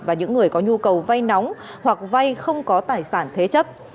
và những người có nhu cầu vay nóng hoặc vay không có tài sản thế chấp